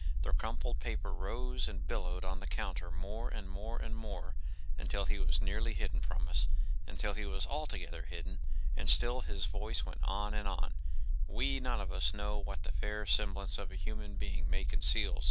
*. T The crumpled paper rose and billowed on the counter more and more and more, until he was nearly hidden from us y until he was altogether hidden, and still his voice went on and on, “ We none of us know what the fair semblance of a human being may conceal.